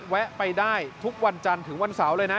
แวะไปได้ทุกวันจันทร์ถึงวันเสาร์เลยนะ